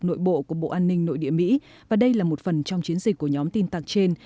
nội bộ của bộ an ninh nội địa mỹ và đây là một phần trong chiến dịch của nhóm tin tạc trên